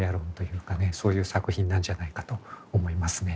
そういう作品なんじゃないかと思いますね。